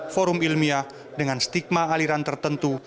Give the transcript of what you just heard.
forum ilmiah dengan stigma aliran tertentu